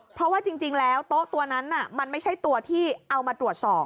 เพราะว่าจริงแล้วโต๊ะตัวนั้นมันไม่ใช่ตัวที่เอามาตรวจสอบ